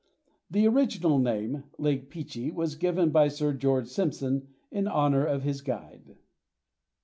The original name, Lake Peechee, was given by Sir George Simpson in honor of his guide.